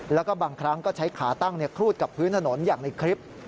แล้วก็บางครั้งก็ใช้ขาตั้งครูดกับพื้นถนนอย่างในคลิป